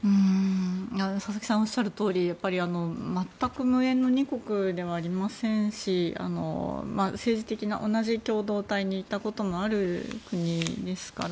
佐々木さんがおっしゃるとおり全く無縁の２国ではありませんし政治的な同じ共同体にいたこともあるんですから